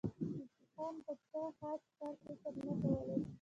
يوسف خان به څۀ خاص کار کسب نۀ کولو